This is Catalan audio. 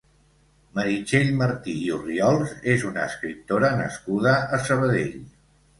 Meritxell Martí i Orriols és una escriptora nascuda a Sabadell.